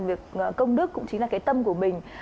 việc công đức cũng chính là cái tâm của mình